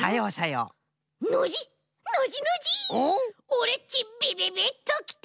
オレっちビビビッときた！